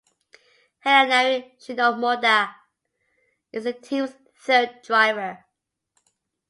Hayanari Shimoda is the team's third driver.